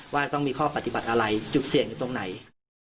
ว่าต้องมีข้อปฏิบัติอะไรจุดเสี่ยงอยู่ตรงไหน